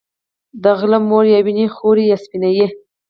د غله مور يا وينې خورې يا سپينې